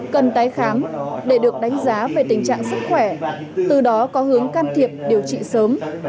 cần tái khám để được đánh giá về tình trạng sức khỏe từ đó có hướng can thiệp điều trị sớm